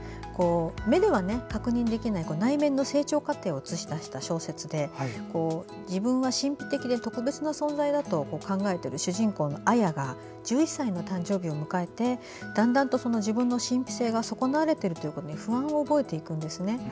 目では確認できない内面の成長過程を映し出した小説で自分は神秘的で特別な存在だと考えている主人公の亜耶が１１歳の誕生日を迎えてだんだんと自分の神秘性が損なわれていることに不安を覚えていくんですね。